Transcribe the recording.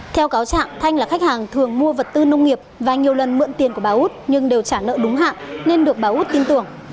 theo cáo trạng thanh là khách hàng thường mua vật tư nông nghiệp và nhiều lần mượn tiền của bà út nhưng đều trả nợ đúng hạn nên được bà út tin tưởng